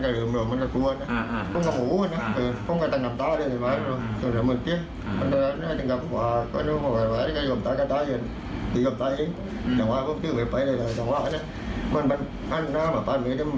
ก็ต้องหักกันกับหวาดก็หย่อมตายกับตายเย็นหย่อมตายเอง